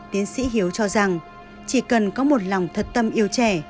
tiến sĩ hiếu cho rằng chỉ cần có một lòng thật tâm yêu trẻ